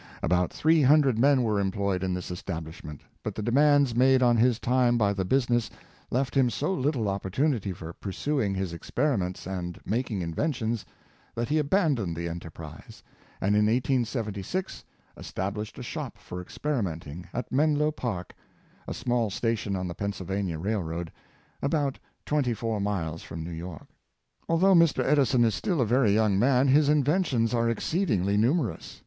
About three hundred men were employed in this establishment, but the demands made on his time by the business left him so little op portunity for pursuing his experiments and making in ventions that he abandoned the enterprise, and in 1876 established a shop for experimenting, at Menlo Park, a small station on the Pennsylvania railroad, about twen ty four miles from New York. Although Mr. Edison is still a very young man, his inventions are exceedingly numerous.